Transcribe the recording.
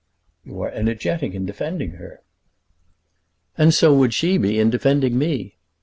"You are energetic in defending her." "And so would she be in defending me.